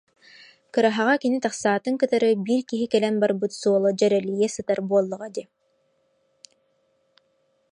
кыраһаҕа кини тахсаатын кытары биир киһи кэлэн барбыт суола дьэрэлийэ сытар буоллаҕа дии